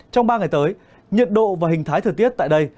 trong ba ngày tới nhiệt độ và hình thái thời tiết tại đây